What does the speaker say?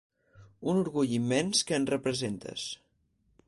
Un orgull immens que ens representes.